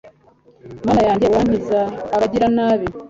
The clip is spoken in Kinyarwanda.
mana yanjye, urankize abagiranabi